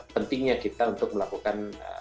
pentingnya kita untuk melakukan